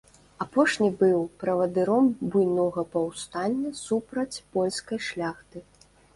Апошні быў правадыром буйнога паўстання супраць польскай шляхты.